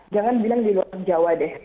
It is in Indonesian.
jangan bilang di luar jawa deh